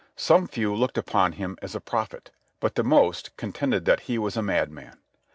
Some few looked upon him as a prophet, but the most contended that he was a madman.